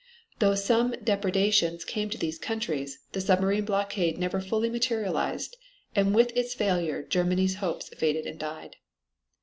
Though some depredations came to these countries, the submarine blockade never fully materialized and with its failure Germany's hopes faded and died.